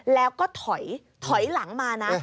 แล้วก็ถอยหลังมานะ